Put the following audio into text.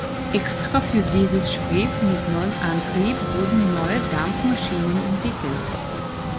Extra für dieses Schiff mit neuem Antrieb wurden neue Dampfmaschinen entwickelt.